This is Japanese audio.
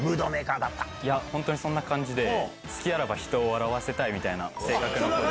いや、本当そんな感じで、隙あらば人を笑わせたいみたいな性格で。